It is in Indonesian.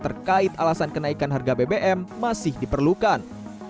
terkait alasan kenaikan harga bbm masih diperlukan